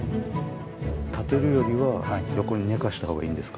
立てるよりは横に寝かしたほうがいいんですか？